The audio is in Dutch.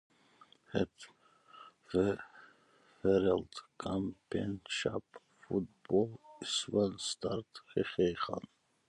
Het wereldkampioenschap voetbal is van start gegaan.